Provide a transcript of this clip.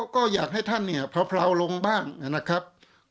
ก็อยากให้ท่านเนี่ยเผลาลงบ้างนะครับ